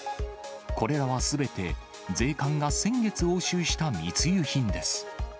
これらはすべて税関が先月、押収した密輸品です。